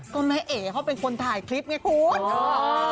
ก็แม่เอ๋เขาเป็นคนถ่ายคลิปไงคุณ